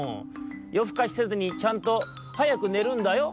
よふかしせずにちゃんとはやくねるんだよ」。